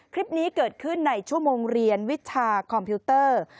คลิปนี้เกิดขึ้นในชั่วโมงเรียนวิชาคอมพิวเตอร์